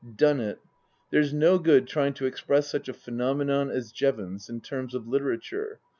Done it. There's no good trying to express such a phenomenon as Jevons in terms of literature.